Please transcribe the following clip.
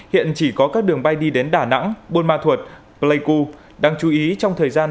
hiện chỉ có các đường bay đi đến đà nẵng buôn ma thuột pleiku đáng chú ý trong thời gian